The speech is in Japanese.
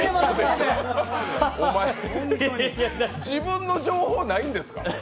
お前、自分の情報ないんですか？